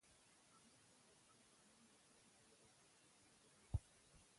آمو سیند د افغان ځوانانو لپاره ډېره دلچسپي لري.